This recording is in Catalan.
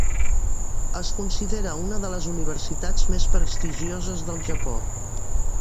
Es considera una de les universitats més prestigioses del Japó.